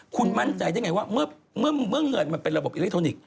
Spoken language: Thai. คุณมั่นใจได้ไงว่าเมื่อเงินมันเป็นระบบอิเล็กทรอนิกส